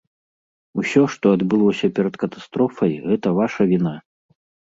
Усё, што адбылося перад катастрофай, гэта ваша віна.